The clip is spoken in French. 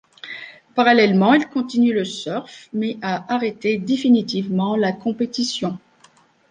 Parallèlement, il continue le surf, mais a arrêté définitivement la compétition.